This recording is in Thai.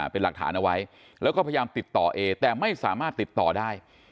เป็นหลักฐานเอาไว้แล้วก็พยายามติดต่อเอแต่ไม่สามารถติดต่อได้